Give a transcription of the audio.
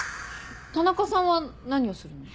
田中さんは何をするの？